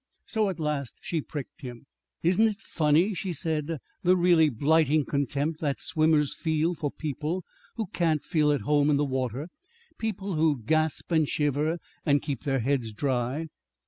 So at last she pricked him. "Isn't it funny," she said, "the really blighting contempt that swimmers feel for people who can't feel at home in the water people who gasp and shiver and keep their heads dry?"